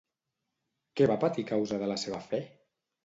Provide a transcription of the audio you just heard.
Què va patir a causa de la seva fe?